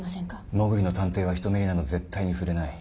もぐりの探偵は人目になど絶対に触れない。